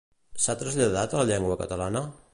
S'ha traslladat a la llengua catalana?